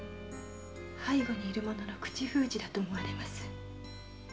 背後に居る者が口を封じたのだと思われます。